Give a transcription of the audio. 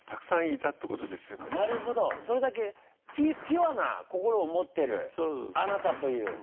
それだけピュアな心を持ってるあなたという。